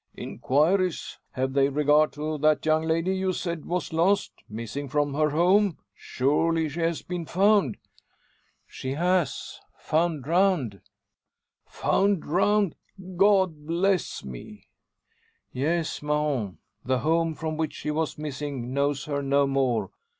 "Inquiries! Have they regard to that young lady you said was lost missing from her home! Surely she has been found?" "She has found drowned!" "Found drowned! God bless me!" "Yes, Mahon. The home from which she was missing knows her no more.